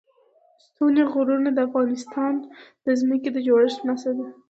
ستوني غرونه د افغانستان د ځمکې د جوړښت نښه ده.